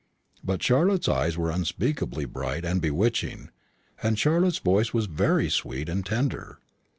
But Charlotte's eyes were unspeakably bright and bewitching, and Charlotte's voice was very sweet and tender.